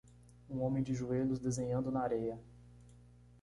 um homem de joelhos desenhando na areia